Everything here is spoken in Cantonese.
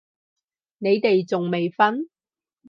你哋仲未瞓？